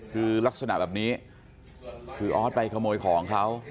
คือลักษณะแบบนี้คือออสไปขโมยของเขา